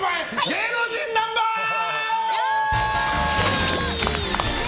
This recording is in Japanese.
芸能人ナンバーズ。